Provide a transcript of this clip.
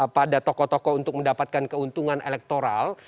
pada tokoh tokoh untuk mendapatkan keuntungan elektoral